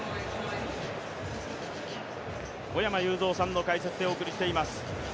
小山裕三さんの解説でお送りしています。